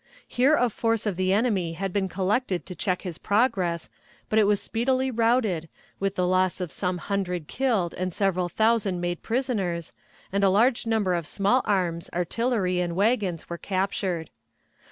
Here a force of the enemy had been collected to check his progress, but it was speedily routed, with the loss of some hundred killed and several thousand made prisoners, and a large number of small arms, artillery, and wagons were captured.